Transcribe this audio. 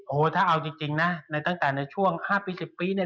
โอ้โหถ้าเอาจริงนะตั้งแต่ในช่วง๕๑๐ปี